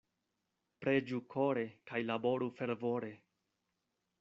Preĝu kore kaj laboru fervore.